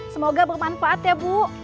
semoga bermanfaat ya bu